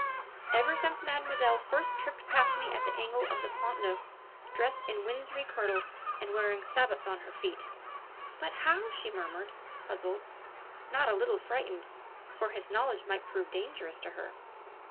"Ever since mademoiselle first tripped past me at the angle of the Pont Neuf dressed in winsey kirtle and wearing sabots on her feet...." "But how?" she murmured, puzzled, not a little frightened, for his knowledge might prove dangerous to her.